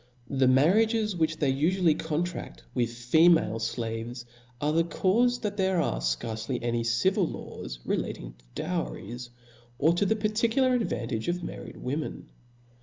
The marriages which they ufu Cii«p!*i. ^''y contract with female flaves, are the caufe that there are fcarce any civil laws relating to dowries, or to the particular advantage of. married women.